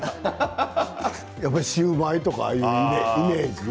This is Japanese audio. やっぱりシューマイとかのイメージ。